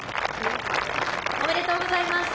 おめでとうございます。